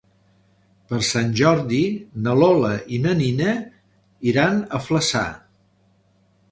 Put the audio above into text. Per Sant Jordi na Lola i na Nina iran a Flaçà.